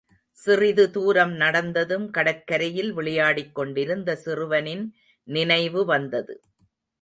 சிறிது தூரம் நடந்ததும், கடற்கரையில் விளையாடிக் கொண்டிருந்த சிறுவனின் நினைவு வந்தது.